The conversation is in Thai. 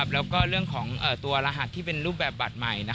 แล้วก็เรื่องของตัวรหัสที่เป็นรูปแบบบัตรใหม่